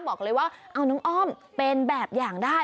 บอกเลยว่าเอาน้องอ้อมเป็นแบบอย่างได้